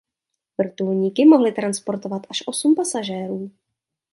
Vrtulníky mohly transportovat až osm pasažérů.